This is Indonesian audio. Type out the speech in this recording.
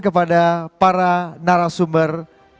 kepada para narasumber